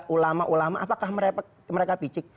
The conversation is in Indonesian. ulama ulama apakah mereka picik